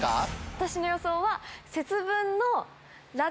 私の予想は。